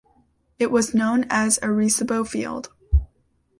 It was known as Arecibo Field.